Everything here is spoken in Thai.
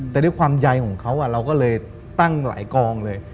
แต่ด้วยความใยของเขาเราก็เลยตั้งหลายกองเลย